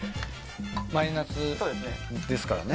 マイナスですからね。